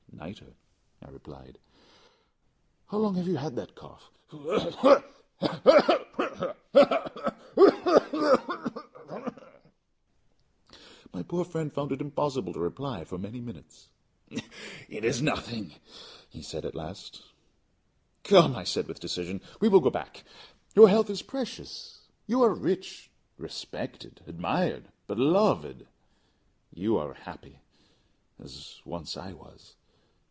"Nitre," I replied. "How long have you had that cough?" "Ugh! ugh! ugh! ugh! ugh! ugh! ugh! ugh! ugh! ugh! ugh! ugh! ugh! ugh! ugh!" My poor friend found it impossible to reply for many minutes. "It is nothing," he said, at last. "Come," I said, with decision, "we will go back; your health is precious. You are rich, respected, admired, beloved; you are happy, as once I was.